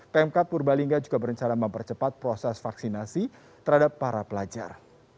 pmk purbalingga juga berencana mempercepat proses vaksinasi terhadap para pelajar